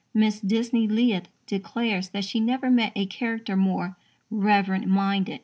Mrs. Disney Leith declares that she never met a character more "reverent minded."